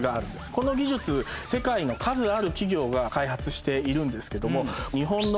この技術世界の数ある企業が開発しているんですけども日本の。